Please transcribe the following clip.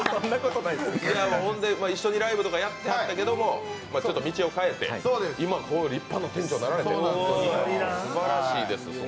一緒にライブをやっていたけど道を変えて今立派な店長になられてすばらしいです。